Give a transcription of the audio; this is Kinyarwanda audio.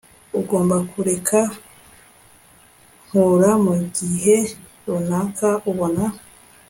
ugomba kureka nkura mugihe runaka ubona